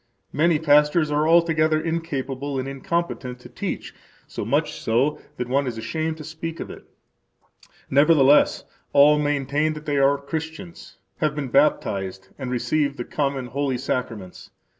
many pastors are altogether incapable and incompetent to teach [so much so, that one is ashamed to speak of it]. Nevertheless, all maintain that they are Christians, have been baptized and receive the [common] holy Sacraments.